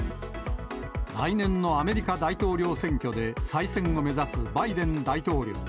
来年のアメリカ大統領選挙で再選を目指すバイデン大統領。